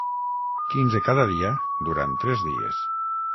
Quinze cada dia, durant tres dies.